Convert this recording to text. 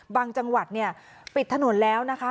บางจังหวัดปิดถนนแล้วนะคะ